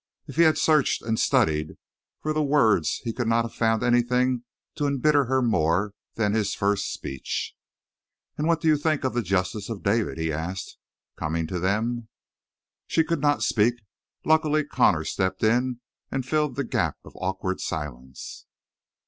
If he had searched and studied for the words he could not have found anything to embitter her more than his first speech. "And what do you think of the justice of David?" he asked, coming to them. She could not speak; luckily Connor stepped in and filled the gap of awkward silence.